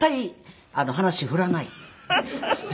フフフフ。